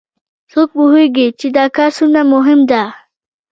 څوک پوهیږي چې دا کار څومره مهم ده